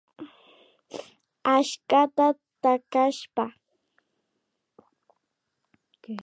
Achskata takashpa